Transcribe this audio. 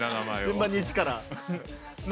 順番に「一」から。